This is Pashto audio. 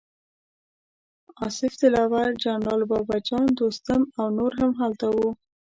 اصف دلاور، جنرال بابه جان، دوستم او نور هم هلته وو.